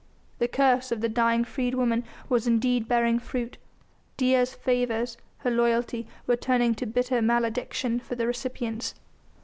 The curse of the dying freedwoman was indeed bearing fruit. Dea's favours, her loyalty, were turning to bitter malediction for the recipients.